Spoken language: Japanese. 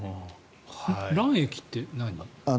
卵液って何？